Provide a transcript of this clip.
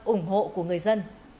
ủng hộ của người dân